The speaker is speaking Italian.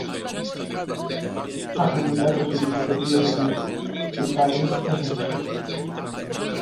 Ha pubblicato su riviste peer reviewed, su Science e Nature.